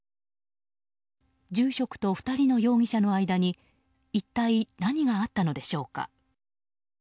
住職と２人の容疑者の間に一体何があったのでしょうか。